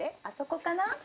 あそこかな？